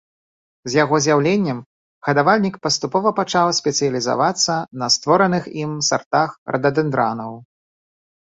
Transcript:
З яго з'яўленнем гадавальнік паступова пачаў спецыялізавацца на створаных ім сартах рададэндранаў.